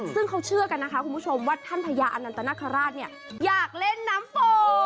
ซึ่งเขาเชื่อกันนะคะคุณผู้ชมว่าท่านพญาอนันตนคราชเนี่ยอยากเล่นน้ำโป